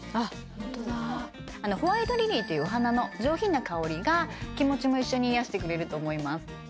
ホントだホワイトリリーというお花の上品な香りが気持ちも一緒に癒やしてくれると思います